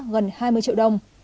gần hai mươi triệu đồng